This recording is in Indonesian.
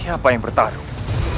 siapa yang bertarung